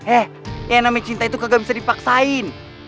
eh yang namanya cinta itu kagak bisa dipaksain